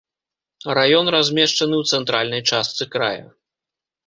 Раён размешчаны ў цэнтральнай частцы края.